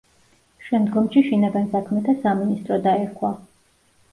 შემდგომში შინაგან საქმეთა სამინისტრო დაერქვა.